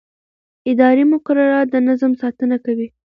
اداري مقررات د نظم ساتنه کوي.